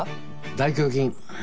大胸筋。